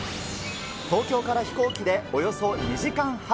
東京から飛行機でおよそ２時間半。